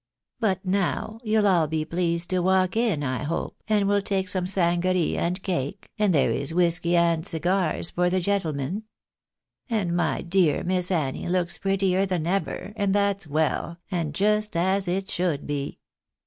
But now you'll all be pleased to walk in, I hope, and will take some sangaree and cake ; and there is whisky and cigars for the gentlemen. And my dear Miss Annie looks prettier than ever, and that's well, and just as it should be."